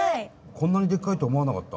こんなにでっかいと思わなかった。